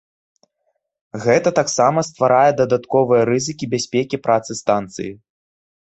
Гэта таксама стварае дадатковыя рызыкі бяспекі працы станцыі.